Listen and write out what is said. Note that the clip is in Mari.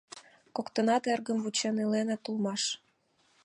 Коктынат эргым вучен иленыт улмаш.